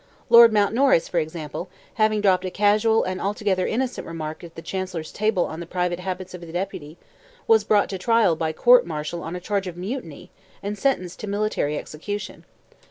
Lord Mountnorris, for example, having dropped a casual, and altogether innocent remark at the Chancellor's table on the private habits of the Deputy, was brought to trial by court martial on a charge of mutiny, and sentenced to military execution.